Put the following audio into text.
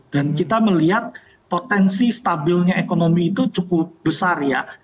dan kita melihat potensi stabilnya ekonomi itu cukup besar ya